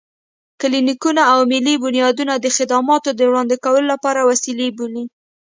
کلينيکونه او ملي بنيادونه د خدماتو د وړاندې کولو وسيلې بولو.